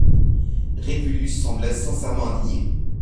Régulus semblait sincèrement indigné.